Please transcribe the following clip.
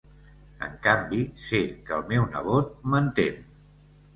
En canvi, sé que el meu nebot m'entén.